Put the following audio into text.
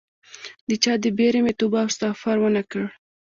د چا د بیرې مې توبه او استغفار ونه کړ